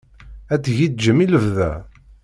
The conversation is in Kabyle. Ad tgiǧǧem i lebda?